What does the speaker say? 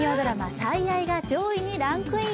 「最愛」が上位にランクイン。